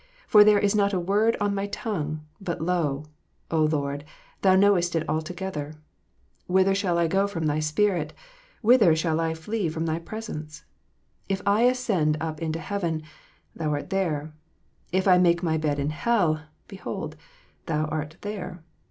For there is not a word in my tongue, but, lo, Lord, Thou knowest it altogether. Whither shall I go from Thy Spirit? or whither shall I flee from Thy presence? If I ascend up into heaven, Thou art there : if I make my bed in hell, behold, Thou art there.